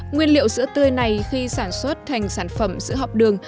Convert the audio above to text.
nguyên liệu sữa tươi này khi sản xuất thành sản phẩm sữa học đường